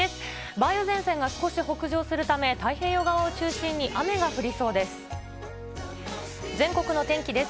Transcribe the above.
梅雨前線が少し北上するため、太平洋側を中心に雨が降りそうです。